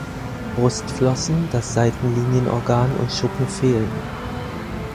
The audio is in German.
Brustflossen, das Seitenlinienorgan und Schuppen fehlen.